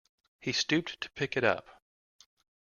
He stooped to pick it up.